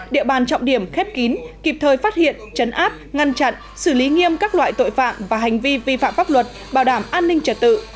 địa bàn trọng điểm khép kín kịp thời phát hiện chấn áp ngăn chặn xử lý nghiêm các loại tội phạm và hành vi vi phạm pháp luật bảo đảm an ninh trật tự